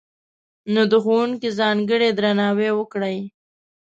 نو، د ښوونکي ځانګړی درناوی وکړئ!